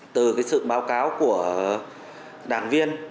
từ cái sự báo cáo của đảng viên